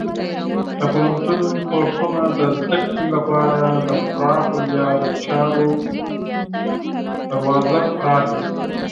د پوهنتون کورسونه د زده کړې لپاره د پراخو لارو چارو دروازه پرانیزي.